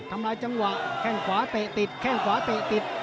ทำลายจังหวะแข้งขวาเตะติดแข้งขวาเตะติด